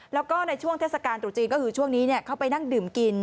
แล้วก็ในช่วงเทศกาลตรุษจีนก็คือช่วงนี้เขาไปนั่งดื่มกิน